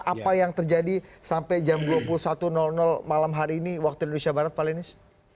apa yang terjadi sampai jam dua puluh satu malam hari ini waktu indonesia barat pak lenis